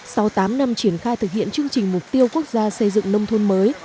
sau tám năm triển khai thực hiện chương trình mục tiêu quốc gia xây dựng nông thôn mới